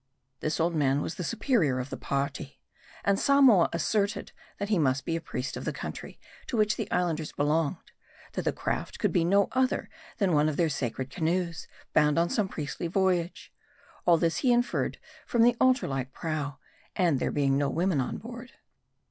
This old man was the superior of the party. And Samoa asserted, that he must be a priest of the country to which the Islanders belonged ; that the craft could be no other than one of their sacred canoes, bound on some priestly voy age. All this he inferred from the altar like prow, and there being no women on board.